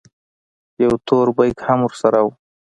يو تور بېګ هم ورسره و.